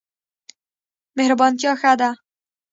مهربانتیا ښه ده.